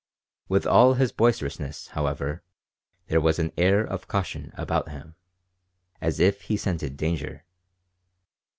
With all his boisterousness, however, there was an air of caution about him, as if he scented danger.